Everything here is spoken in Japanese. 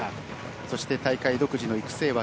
そして、大会独自の育成枠